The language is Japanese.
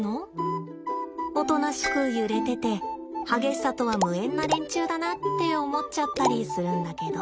おとなしく揺れてて激しさとは無縁な連中だなって思っちゃったりするんだけど。